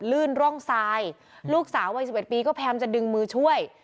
ลื่นร่องซายลูกสาววัยสิบเอ็ดปีก็แพรมจะดึงมือช่วย